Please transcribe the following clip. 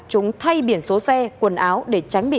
chúng thay biển số xe quần áo để tránh bị